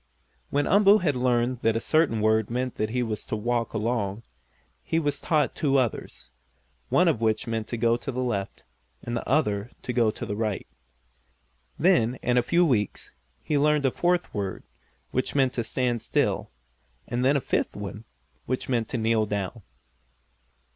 When Umboo had learned that a certain word meant that he was to walk along, he was taught two others, one of which meant to go to the left, and the other to go to the right. Then, in a few weeks, he learned a fourth word, which meant to stand still, and then a fifth one, which meant to kneel down.